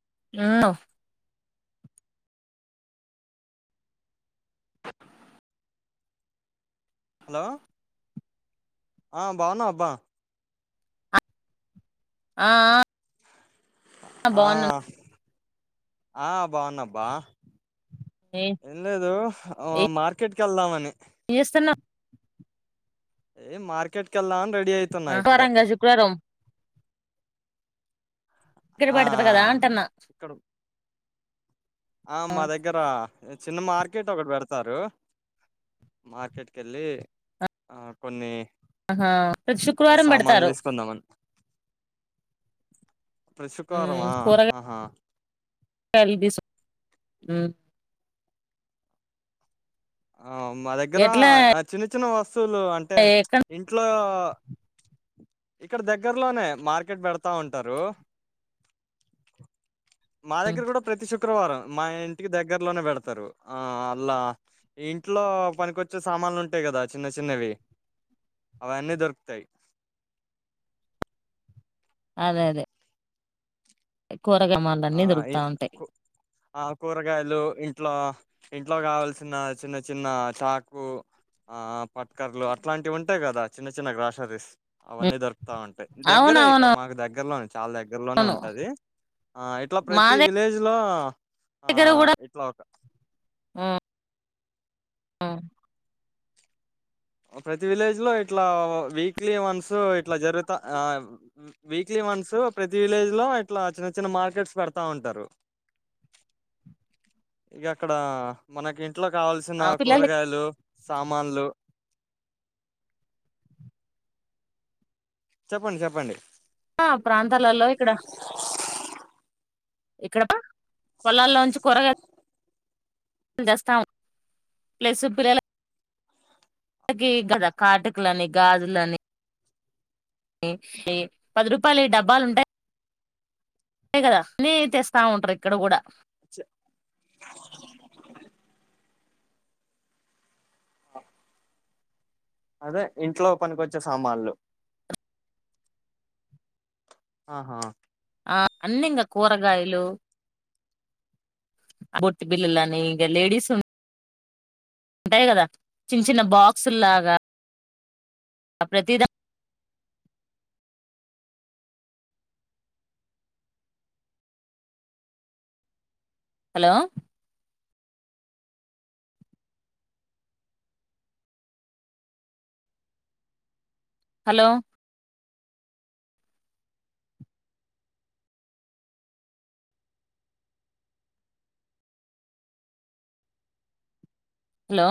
[unintelligible] Hello ఆ బాగున్నా అబ్బా ఆ ఆ ఆ బాగున్నాబా ఏం లేదు మార్కెట్ కెల్దామని ఏస్తన్నా ఏ మార్కెట్కెల్దామని ఆహారంగా శుక్రరారం ఇక్కడ ఆ ఆ పెడతారు కదా అంటున్నా ఇక్కడ ఆ మా దగ్గర చిన్న మార్కెట్ ఒకటి పెడతారు మార్కెట్కెళ్ళి ఆ కొన్ని ఆహా ప్రతి శుక్రవారం సామాన్లు పెడతారు. తీసుకుందామని ప్రతి శుక్రవారం ఆ ఆహా చలిదిసు ఉమ్ ఆ మా దగ్గర ఎట్లా అ చిన్న చి చిన్న వస్ వస్తులు అంటే ఇంట్లో ఇక్కడ దగ్గర్లోనే మార్కెట్ పెడతా ఉంటారు మా దగ్గర కూడా ప్రతి శు శుక్రవారం మా ఇంటికి దగ్గర్లోనే పెడతారు ఆ అల్లా ఈ ఇంట్లో పనికొచ్చే సామాన్లుంటాయ్ కదా చిన్న చిన్నవి అవన్నీ దొరుకుతాయ్ అదే అదే కూరగాయ్ ఆ మాల్లన్నీ ఇ దొరుకుతాంటాయ్ కూ ఆ కూరగాయలు ఇంట్లో ఇంట్లో కావాల్సిన చిన్న చిన్న చాకు ఆ పట్కర్లు అట్లాంటివి ఉంటాయి కదా చిన్న చిన్న గ్రాసరీస్ అవన్నీ దొరుకుతా ఉంటాయి అవునవును దగ్గరే ఇక్కడ అవును మాకు దగ్గర్లోనే చాలా దగ్గర్లోనే అవును అవును ఉంటది ఆ ఇట్ల మా ప్రతి విలేజ్ లో ఆ ఆ దగ్గర కూడా ఇట్లా ఒక ఉమ్, ఉమ్ ప్రతి విలేజ్ లో ఇట్లా వీక్లీ వన్స్ ఇట్లా జరుగుతా వీక్లీ వన్స్ ప్రతి విలేజ్ లో ఇట్ల చిన్న చిన్న మార్కెట్స్ పెడతా ఉంటారు. ఇక అక్కడ మనకి ఇంట్లో కావాల్సిన ఆ పిల్లలు కూరగాయలు సామాన్లు. చెప్పండి చెప్పండి. ఆ ప్రాంతాలలో ఎక్కడ పా. పొలాల్లోంచి కూరగాయలు. దెస్తాం ప్లస్సు పిల్లల ఇంతకి గదా కాటుకలని గాజులని. ఇ ఇ పది రూపాయలి డబ్బాలుంటాయ్ దె కదా అన్ని తెస్తా ఉంటరు ఇక్కడ కూడా. అదే ఇంట్లో పనికొచ్చే సామాన్లు. ఆహా. ఆ అన్నీ ఇంకా కూరగాయలు. బొట్టు బిల్లు అని ఈగ లేడీస్. ఉంటాయి కదా చిన్న చిన్న బాక్సుల్లాగా ప్రతిదా. హలో. హలో. హలో.